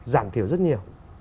giảm thiểu rất nhiều